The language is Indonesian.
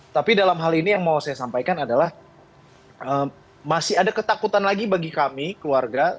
tapi dalam hal ini yang mau saya sampaikan adalah masih ada ketakutan lagi bagi kami keluarga